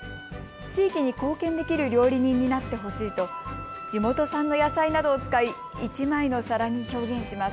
地域に貢献できる料理人になってほしいと地元産の野菜などを使い１枚の皿に表現します。